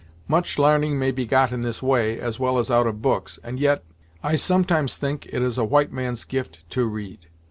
Much l'arning may be got in this way, as well as out of books; and, yet, I sometimes think it is a white man's gift to read!